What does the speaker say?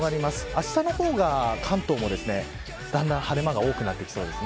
あしたの方は関東の方はだんだん晴れ間が多くなってきそうです。